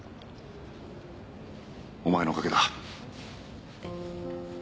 お前のおかげだ。